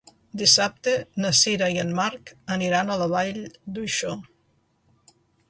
Dissabte na Sira i en Marc aniran a la Vall d'Uixó.